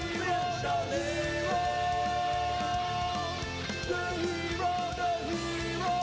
โปรดติดตามตอนต่อไป